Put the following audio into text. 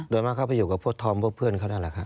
โดยมากเข้าไปอยู่กับพวกธอมพวกเพื่อนเขานั่นแหละครับ